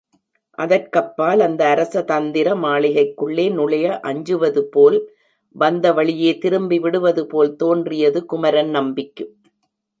அதற்கப்பால் அந்த அரசதந்திர மாளிகைக்குள்ளே நுழைய அஞ்சுவதுபோல் வந்த வழியே திரும்பிவிடுவது போல் தோன்றியது குமரன் நம்பிக்கு.